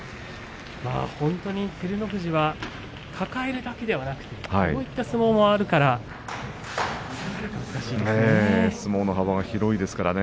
本当に照ノ富士は抱えるだけではなくこういった相撲もあるので難しいんですね。